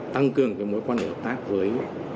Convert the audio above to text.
tăng cường cái mối quan hệ hợp tác với